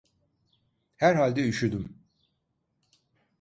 Herhalde üşüdüm…